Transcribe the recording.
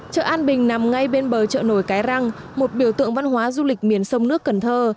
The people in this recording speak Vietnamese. chợ an bình nằm ngay bên bờ chợ nổi cái răng một biểu tượng văn hóa du lịch miền sông nước cần thơ